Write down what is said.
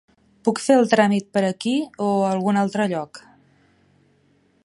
Puc fer el tràmit per aquí o algun altre lloc?